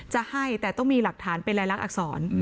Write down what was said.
จะให้แต่ต้องมีหลักฐานเป็นรายลักษณอักษร